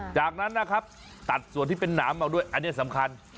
จากนั้นนะครับตัดส่วนที่เป็นหนามเอาด้วยอันนี้สำคัญ